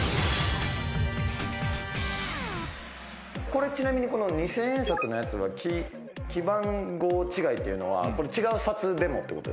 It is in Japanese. これちなみにこの二千円札のやつは記番号違いっていうのは違う札でもってことですか？